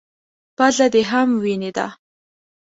_پزه دې هم وينې ده.